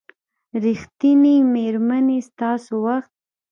ریښتینې میرمنې ستاسو وخت